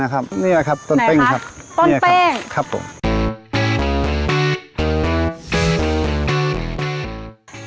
ต้นเป้งครับผมนี่แหละครับนี่แหละครับนี่แหละครับต้นเป้งครับ